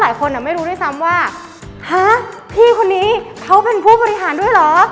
หลายคนไม่รู้ด้วยซ้ำว่าฮะพี่คนนี้เขาเป็นผู้บริหารด้วยเหรอ